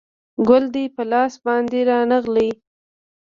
ګل دې په لاس باندې رانغلی